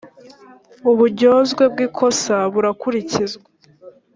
uburyozwe bw ‘ikosa burakurikizwa.